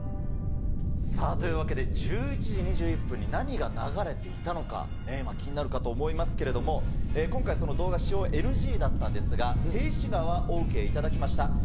さあ、というわけで１１時２１分に何が流れていたのか、気になるかと思いますけれども、今回、その動画使用ＮＧだったんですが、静止画はＯＫ頂きました。